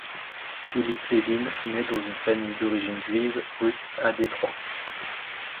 Philip Levine naît dans une famille d'origine juive russe à Detroit.